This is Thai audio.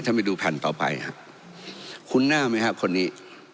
ท่านไปดูแผ่นต่อไปฮะคุณหน้าไหมฮะคนนี้